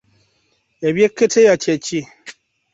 Ebyeketeya kye ki?